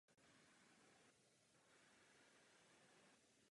Později se věnoval také pedagogické činnosti.